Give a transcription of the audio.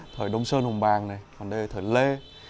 thời đông sơn hồng bàng này còn đây là thời lê